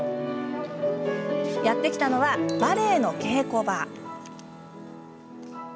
やって来たのはバレエの稽古場。